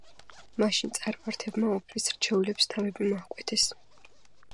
მაშინ წარმართებმა უფლის რჩეულებს თავები მოჰკვეთეს.